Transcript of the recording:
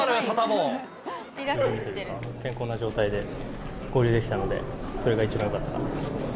健康な状態で合流できたので、それが一番よかったかなと思います。